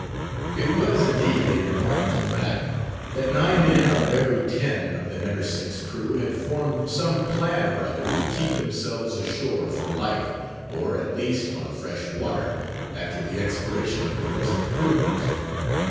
It was, indeed, a remarkable fact, that nine men out of every ten of the Neversink's crew had formed some plan or other to keep themselves ashore for life, or, at least, on fresh water, after the expiration of the present cruise.